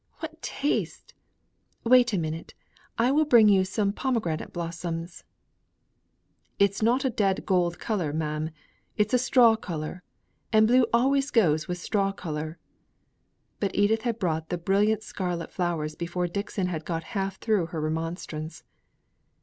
What taste! Wait a minute, and I will bring you some pomegranate blossoms." "It's not a dead gold colour ma'am. It's a straw colour. And blue always goes with straw colour." But Edith had brought the brilliant scarlet flowers before Dixon had got half through her remonstrance.